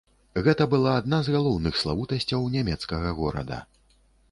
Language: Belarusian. Гэта была адна з галоўных славутасцяў нямецкага горада.